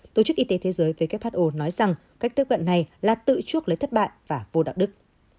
tổ chức y tế thế giới who nói rằng cách tiếp cận này là tự chuốc lấy thất bại và vô đạo đức